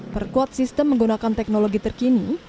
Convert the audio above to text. perkuat sistem menggunakan teknologi terkini